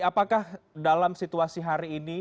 apakah dalam situasi hari ini